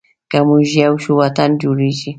که مونږ یو شو، وطن جوړیږي.